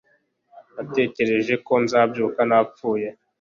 natekereje ko nzabyuka napfuye